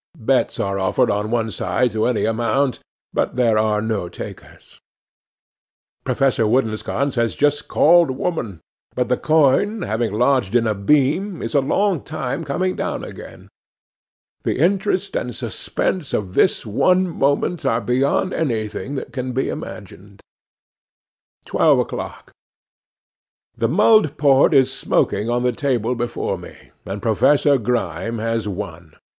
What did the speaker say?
Bets are offered on any side to any amount, but there are no takers. 'Professor Woodensconce has just called "woman;" but the coin having lodged in a beam, is a long time coming down again. The interest and suspense of this one moment are beyond anything that can be imagined.' 'Twelve o'clock. 'THE mulled port is smoking on the table before me, and Professor Grime has won.